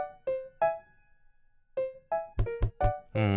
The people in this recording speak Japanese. うん。